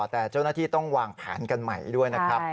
แต่เจ้าหน้าที่ต้องวางแผนกันใหม่ด้วยนะครับ